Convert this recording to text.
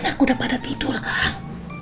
anak anak udah pada tidur kang